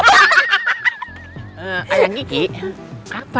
potok kayak begitu kakak